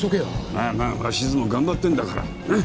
まあまあ鷲津も頑張ってんだからなっ？